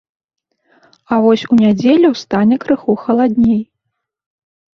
А вось у нядзелю стане крыху халадней.